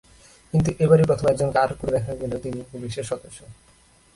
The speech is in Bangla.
কিন্তু এবারই প্রথম একজনকে আটক করে দেখা গেল তিনি পুলিশের সদস্য।